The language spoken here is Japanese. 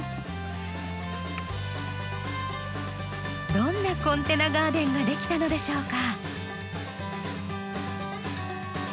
どんなコンテナガーデンが出来たのでしょうか？